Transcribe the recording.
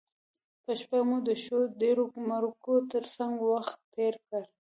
په شپه مو د ښو ډیرو مرکو تر څنګه وخت تیر کړ.